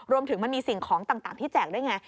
รวมถึงมันมีสิ่งของต่างที่แจกด้วยไง